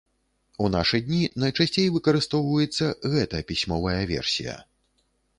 У нашы дні найчасцей выкарыстоўваецца гэта пісьмовая версія.